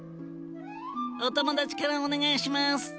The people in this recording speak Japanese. お友達からお願いします。